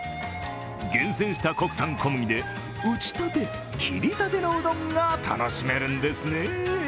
厳選した国産小麦で、打ち立て、切り立てのうどんが楽しめるんですね。